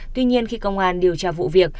tuy nhiên khi công an điều tra vụ việc